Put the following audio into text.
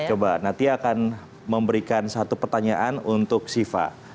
coba natia akan memberikan satu pertanyaan untuk siva